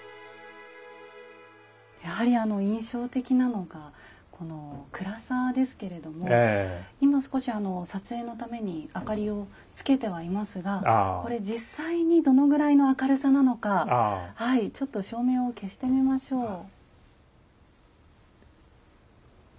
やはり印象的なのがこの暗さですけれども今少しあの撮影のために明かりをつけてはいますがこれ実際にどのぐらいの明るさなのかはいちょっと照明を消してみましょう。